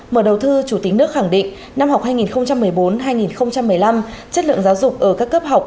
mở đầu thư chủ tịch nước khẳng định năm học hai nghìn một mươi bốn hai nghìn một mươi năm chất lượng giáo dục ở các cấp học